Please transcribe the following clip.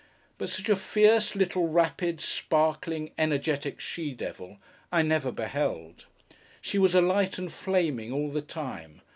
But such a fierce, little, rapid, sparkling, energetic she devil I never beheld. She was alight and flaming, all the time.